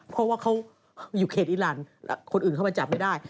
เพราะว่าเขาอยู่เขตอีรานคนอื่นเข้ามาจับไม่ได้